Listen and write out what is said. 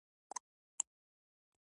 سیاسي دوکانونه دي.